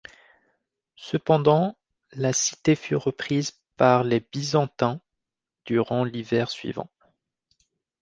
Cependant, la cité fut reprise par les Byzantins durant l'hiver suivant.